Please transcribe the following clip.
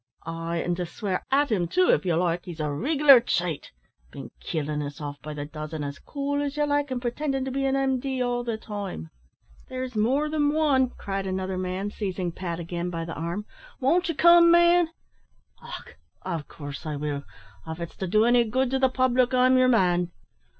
"Ay, an' to swear at him too, if ye like; he's a rig'lar cheat; bin killin' us off by the dozen, as cool as ye like, and pretendin' to be an M.D. all the time." "There's more than wan," cried another man, seizing Pat again by the arm; "won't ye come, man?" "Och! av coorse I will; av it's to do any good to the public, I'm yer man.